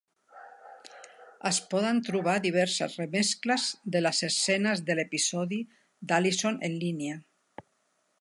Es poden trobar diverses remescles de les escenes de l'episodi d'Allison en línia.